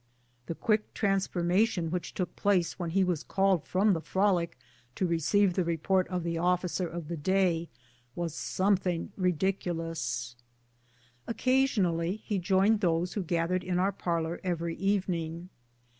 The quick transformation which took place when he was called from the frolic to receive the report of the officer of the day was something very ridiculous. Occasionally he joined those who gathered in our parlor every evening.